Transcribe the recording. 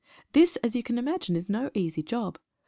This, as you can imagine, is no easy job.